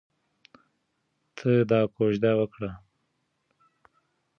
ته دا کوژده وکړه.